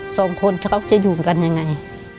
สองคนเขาจะอยู่กันยังไง